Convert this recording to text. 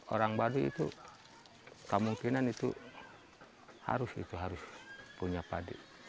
orang bali itu kemungkinan itu harus punya padi